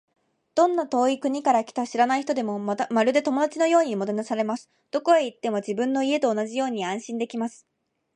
どんな遠い国から来た知らない人でも、まるで友達のようにもてなされます。どこへ行っても、自分の家と同じように安心できます。